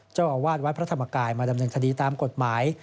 เจ้าอาวาสวัดพระธรรมกายมาดำเนินคดีตามกฎหมาย